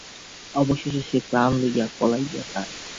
অবশেষে সে প্রাণ লইয়া পলাইয়া যায়।